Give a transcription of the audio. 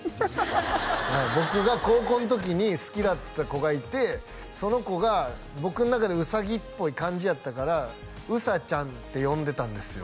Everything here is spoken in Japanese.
僕が高校の時に好きだった子がいてその子が僕の中でうさぎっぽい感じやったからうさちゃんって呼んでたんですよ